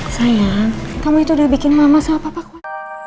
sayang kamu itu udah bikin mama sama papa kuat